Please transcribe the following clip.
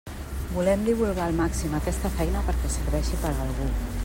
Volem divulgar al màxim aquesta feina perquè serveixi per a algú.